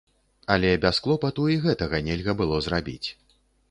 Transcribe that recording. Але без клопату і гэтага нельга было зрабіць.